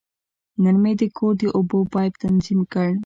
نن مې د کور د اوبو پایپ تنظیم کړ.